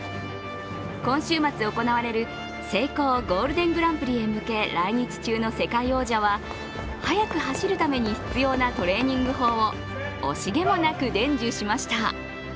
今週末行われるセイコーゴールデンＧＰへ向け来日夕の世界王者は速く走るために必要なトレーニング法を惜しげもなく伝授しました。